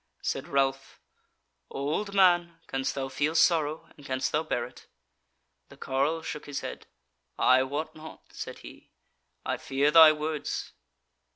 Said Ralph: "Old man, canst thou feel sorrow, and canst thou bear it?" The carle shook his head. "I wot not," said he, "I fear thy words."